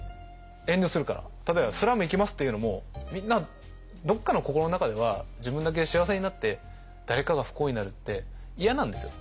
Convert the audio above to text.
例えばスラム行きますっていうのもみんなどっかの心の中では自分だけ幸せになって誰かが不幸になるって嫌なんですよ。